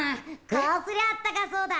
こうすりゃあったかそうだ。